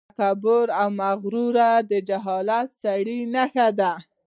تکبر او مغروري د جاهل سړي نښې دي.